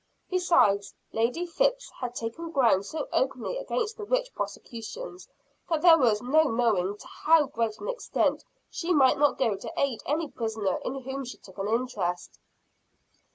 Besides, Lady Phips had taken ground so openly against the witch prosecutions, that there was no knowing to how great an extent she might not go to aid any prisoner in whom she took an interest.